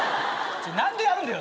何でやるんだよ